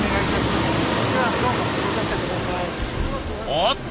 おっと！